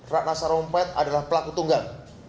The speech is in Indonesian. ratna sarumpait adalah pelaku tunggal